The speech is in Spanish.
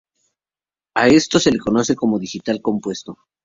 A esto se le conoce como digital compuesto.